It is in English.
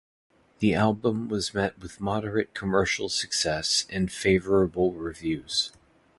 The album was met with moderate commercial success and favorable reviews.